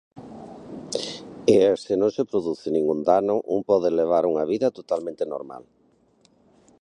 E, se non se produce ningún dano, un pode levar unha vida totalmente normal.